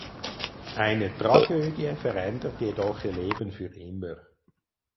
Eine Tragödie verändert jedoch ihr Leben für immer.